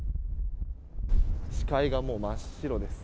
視界がもう真っ白です。